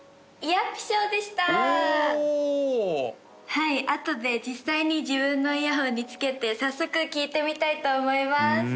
はいあとで実際に自分のイヤホンにつけて早速聴いてみたいと思います